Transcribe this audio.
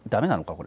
これ。